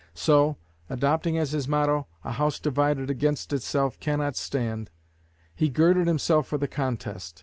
So, adopting as his motto, 'A house divided against itself cannot stand,' he girded himself for the contest.